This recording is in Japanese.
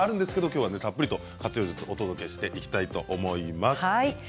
今日はたっぷりと活用術をお伝えしていきたいと思います。